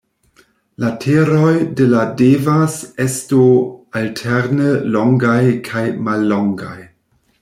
Lateroj de la devas esto alterne longaj kaj mallongaj.